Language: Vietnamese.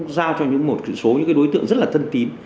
giao cho những một số những cái đối tượng rất là thân tín